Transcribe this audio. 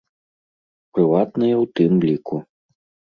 Прыватныя ў тым ліку.